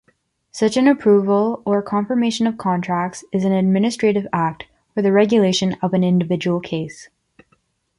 Such an approval or confirmation of contracts is an administrative act for the regulation of an individual case.